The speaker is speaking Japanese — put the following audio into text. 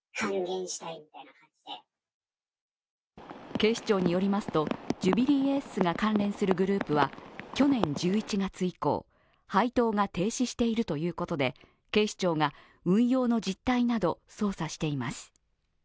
警視庁によりますと、ジュビリーエースが関連するグループは去年１１月以降、配当が停止しているということで警視庁が運用の実態など捜査しています。